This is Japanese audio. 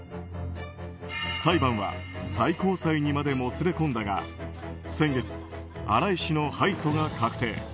裁判は最高裁にまでもつれ込んだが先月、新井氏の敗訴が確定。